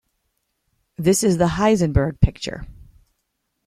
This is the Heisenberg picture.